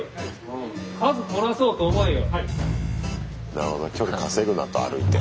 なるほどな距離稼ぐなと歩いて。